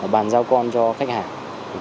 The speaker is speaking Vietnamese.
bàn giao con cho khách hàng